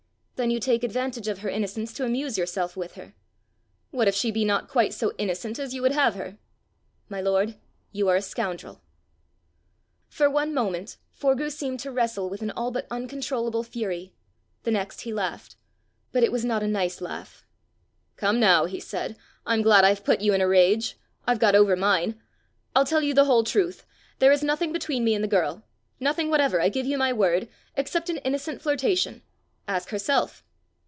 "Then you take advantage of her innocence to amuse yourself with her." "What if she be not quite so innocent as you would have her." "My lord, you are a scoundrel." For one moment Forgue seemed to wrestle with an all but uncontrollable fury; the next he laughed but it was not a nice laugh. "Come now," he said, "I'm glad I've put you in a rage! I've got over mine. I'll tell you the whole truth: there is nothing between me and the girl nothing whatever, I give you my word, except an innocent flirtation. Ask herself."